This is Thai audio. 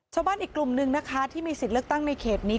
ชาวบ้านอีกกลุ่มนึงนะคะที่มีสิทธิ์เลือกตั้งในเขตนี้